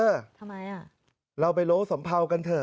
นี่เว้ยเราไปล้อสัมพาวกันเถอะ